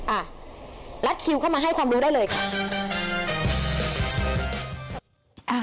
อ่ะรัดคิวเข้ามาให้ความรู้ได้เลยค่ะ